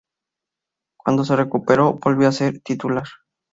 Cuando se recuperó, volvió a ser titular.